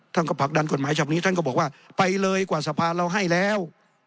ท่านก็ผลักดันกฎหมายฉบับนี้ท่านก็บอกว่าไปเลยกว่าสภาเราให้แล้ว